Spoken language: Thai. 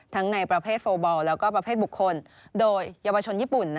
ในประเภทโฟลบอลแล้วก็ประเภทบุคคลโดยเยาวชนญี่ปุ่น